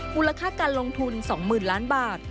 มูลค่าการลงทุน๒๐๐๐ล้านบาท